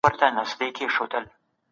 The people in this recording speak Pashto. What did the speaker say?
سازمانونه به ټولو ته برابر حقونه ورکوي.